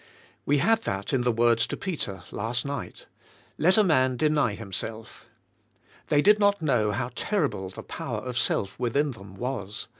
We had that in the words to Peter, last night, "Let a man deny himself." They did not know how terrible the power of self within them was.